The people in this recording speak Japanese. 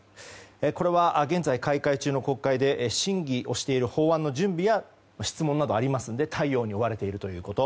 これは、現在開会中の国会で審議している法案の準備や、質問などありますので対応に追われているということ。